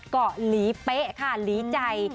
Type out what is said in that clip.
เกาะหลีเป๊ะค่ะหลีใจ